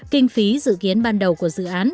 kinh phí dự kiến ban đầu của dự án